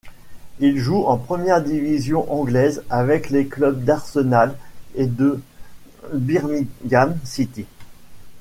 Il joue en première division anglaise avec les clubs d'Arsenal et de Birmingham City.